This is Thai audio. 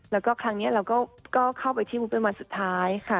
แล้วก็ครั้งนี้เราก็เข้าไปที่วุ๊เป็นวันสุดท้ายค่ะ